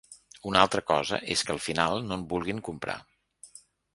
Una altra cosa és que al final no en vulguin comprar.